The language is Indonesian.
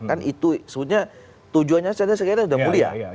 kan itu sebutnya tujuannya sekedar sekedar sudah mulia